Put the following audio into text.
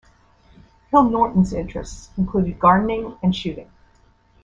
Hill-Norton's interests included gardening and shooting.